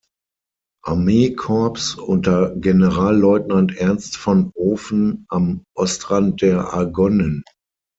Armee-Korps unter Generalleutnant Ernst von Oven am Ostrand der Argonnen.